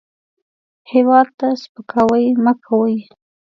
هېواد ته سپکاوی مه کوئ